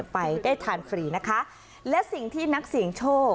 ไปได้ทานฟรีนะคะและสิ่งที่นักเสี่ยงโชค